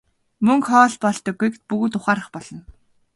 Мөнгө хоол болдоггүйг бүгд ухаарах болно.